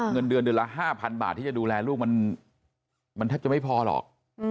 เงินเดือนเดือนละ๕๐๐๐บาทที่จะดูแลลูกมันแทบจะไม่พอหรอก